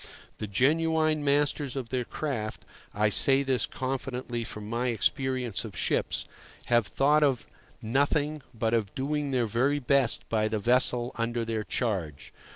The genuine masters of their craft—I say this confidently from my experience of ships—have thought of nothing but of doing their very best by the vessel under their charge.